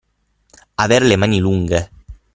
Aver le mani lunghe.